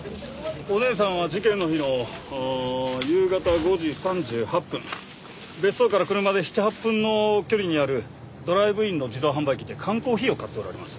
お姉さんは事件の日の夕方５時３８分別荘から車で７８分の距離にあるドライブインの自動販売機で缶コーヒーを買っておられます。